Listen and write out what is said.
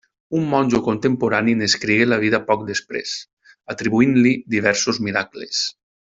Un monjo contemporani n'escrigué la vida poc després, atribuint-li diversos miracles.